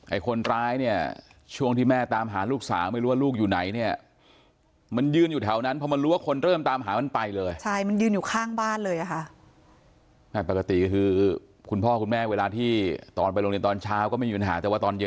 ไอ้คนร้ายเนี่ยช่วงที่แม่ตามหาลูกสาวไม่รู้ว่าลูกอยู่ไหนเนี่ย